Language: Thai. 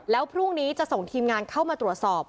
แล้วพรุ่งนี้จะส่งทีมงานเข้ามาตรวจสอบ